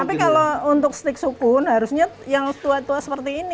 tapi kalau untuk stik sukun harusnya yang tua tua seperti ini